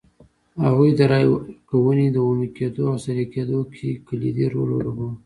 هغوی د رایې ورکونې د عمومي کېدو او سري کېدو کې کلیدي رول ولوباوه.